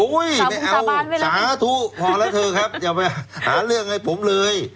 ไม่เอาสาธุพอแล้วเถอะครับอย่าไปหาเรื่องให้ผมเลย